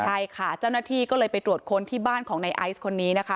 ใช่ค่ะเจ้าหน้าที่ก็เลยไปตรวจค้นที่บ้านของในไอซ์คนนี้นะคะ